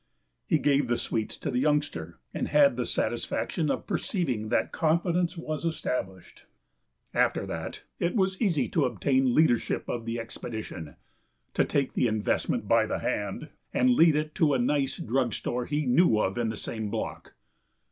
He gave the sweets to the youngster, and had the satisfaction of perceiving that confidence was established. After that it was easy to obtain leadership of the expedition; to take the investment by the hand and lead it to a nice drug store he knew of in the same block.